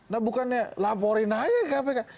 nah bukannya laporin aja kpk